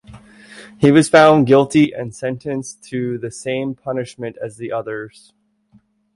He was found guilty and sentenced to the same punishment as the others.